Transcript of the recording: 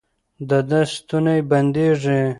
د ده ستونی بندېږي.